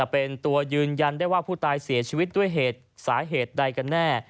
เป็นตัวยืนยันได้ว่าผู้ตายเสียชีวิตด้วยเหตุสาเหตุใดกันแน่